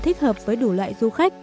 thích hợp với đủ loại du khách